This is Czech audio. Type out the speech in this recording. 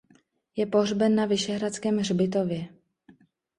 Je pohřben na vyšehradském hřbitově.